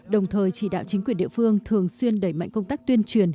đồng thời chỉ đạo chính quyền địa phương thường xuyên đẩy mạnh công tác tuyên truyền